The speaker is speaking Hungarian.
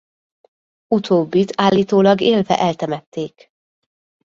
Utóbbit állítólag élve eltemették.